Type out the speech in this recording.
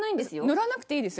のらなくていい。